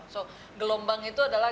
so gelombang itu adalah